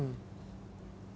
ya kita tunggu keputusan mk